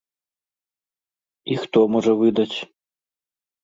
І хто можа выдаць?